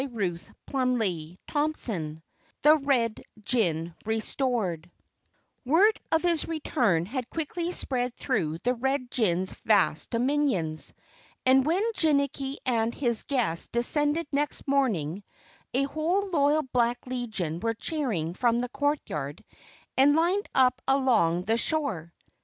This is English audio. CHAPTER 18 The Red Jinn Restored Word of his return had quickly spread through the Red Jinn's vast dominions, and when Jinnicky and his guests descended next morning a whole loyal black legion were cheering from the courtyard and lined up along the shore.